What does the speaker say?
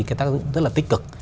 cái tác dụng rất là tích cực